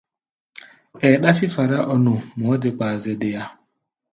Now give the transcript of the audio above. Ɛɛ ɗáfí fará-ɔ-nu, mɔɔ́ de kpaa zɛ deá.